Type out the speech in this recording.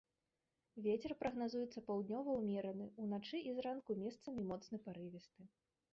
Вецер прагназуецца паўднёвы ўмераны, уначы і зранку месцамі моцны парывісты.